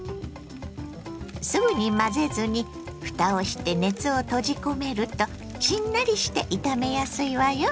すぐに混ぜずにふたをして熱を閉じ込めるとしんなりして炒めやすいわよ。